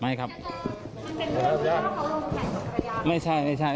มันเป็นเรื่องการเข้าลงอย่างกว่าได้ยังไง